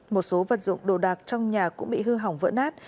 một số vật dụng đồ đạc trong nhà cũng bị hư hỏng vỡ nát